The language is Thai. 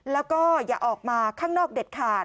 แล้วก็อย่าออกมาข้างนอกเด็ดขาด